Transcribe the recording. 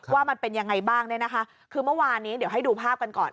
ว่ามันเป็นยังไงบ้างเนี่ยนะคะคือเมื่อวานนี้เดี๋ยวให้ดูภาพกันก่อน